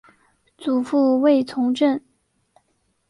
祖父卫从政。